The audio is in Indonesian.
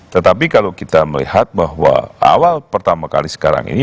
tetapi kalau kita melihat bahwa awal pertama kali sekarang ini